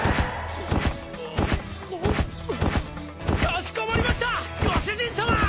かしこまりましたご主人さま！